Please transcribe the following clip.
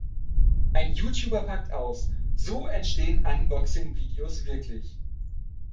Ein YouTuber packt aus: So entstehen Unboxing-Videos wirklich!